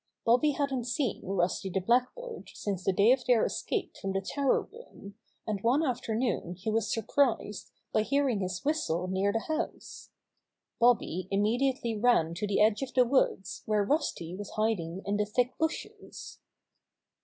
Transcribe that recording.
Bobby hadn't seen Rusty the Blackbird since the day of their escape from the tower room, and one afternoon he was surprised by hear 41 42 Bobby Gray Squirrel's Adventures ing his whistle near the house. Bobby imme diately ran to the edge of the woods where Rusty was hiding in the thick bushes.